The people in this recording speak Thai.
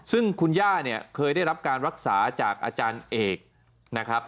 ซึ่งคุณย่าเนี่ยเคยได้รับการรักษาจากอาจารย์เอกนะครับ